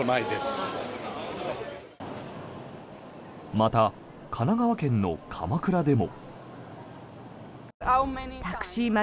また、神奈川県の鎌倉でも。